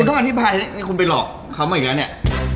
ต้องอธิบายนี่คุณไปหลอกเขามาอีกแล้วเนี่ย